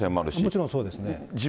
もちろんそうですね。